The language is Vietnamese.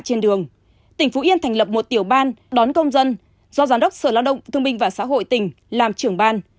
trên đường tỉnh phú yên thành lập một tiểu ban đón công dân do giám đốc sở lao động thương minh và xã hội tỉnh làm trưởng ban